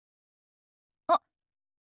あっ。